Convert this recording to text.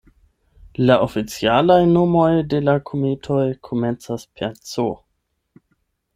La oficialaj nomoj de la kometoj komencas per "C".